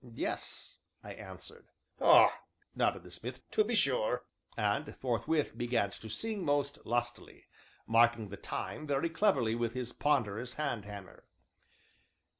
"Yes," I answered. "Ah!"'nodded the smith, "to be sure," and, forthwith, began to sing most lustily, marking the time very cleverly with his ponderous hand hammer.